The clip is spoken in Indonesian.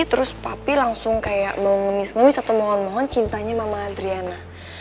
terus papi langsung kayak mau ngemis ngemis atau mohon mohon cintanya mama adriana